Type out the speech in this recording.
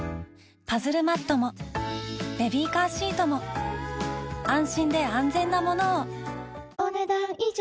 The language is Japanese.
パズルマットもベビーカーシートも安心で安全なものをお、ねだん以上。